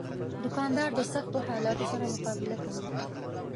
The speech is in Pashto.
دوکاندار د سختو حالاتو سره مقابله کوي.